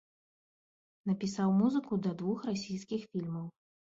Напісаў музыку да двух расійскіх фільмаў.